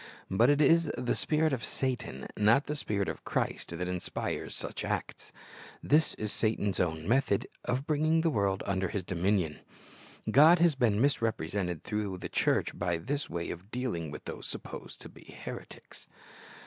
But it is the spirit of Satan, not the Spirit of Christ, that inspires such acts. Tliis is Satan's own method of bringing the world under his dominion. God has been misrepresented through the church by this way of dealing with those supposed to be heretics.